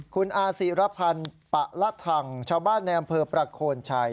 คุณอาศิรพันธ์ปะละทังชาวบ้านในอำเภอประโคนชัย